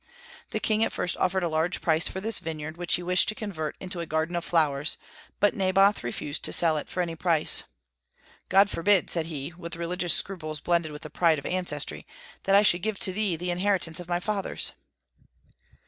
The king at first offered a large price for this vineyard, which he wished to convert into a garden of flowers, but Naboth refused to sell it for any price. "God forbid," said he, with religious scruples blended with the pride of ancestry, "that I should give to thee the inheritance of my fathers."